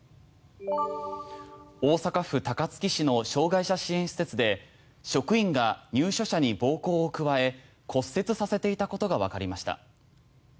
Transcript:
大阪府高槻市の障害者支援施設で職員が入所者に暴行を加え骨折させていたことがわかりました。